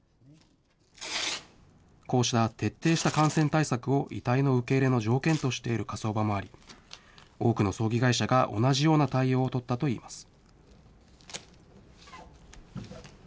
こうした徹底した感染対策を遺体の受け入れの条件としている火葬場もあり、多くの葬儀会社が同じような対応を取ったといいます。